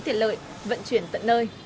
tiện lợi vận chuyển tận nơi